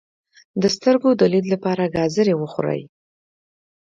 د سترګو د لید لپاره ګازرې وخورئ